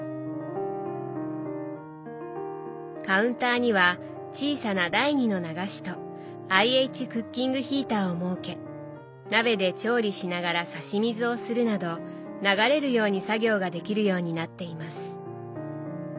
カウンターには小さな第２の流しとＩＨクッキングヒーターを設け鍋で調理しながら差し水をするなど流れるように作業ができるようになっています。